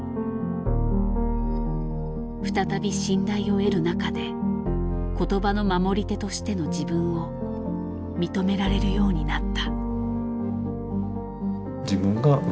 再び信頼を得る中で言葉の守り手としての自分を認められるようになった。